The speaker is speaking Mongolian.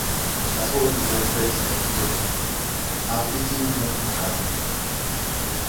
Шалгууруудыг бодит байдалтай харьцуулж аудитын дүнг гаргана.